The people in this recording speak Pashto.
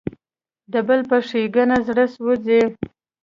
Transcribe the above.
د بل په ښېګڼه زړه سوځي.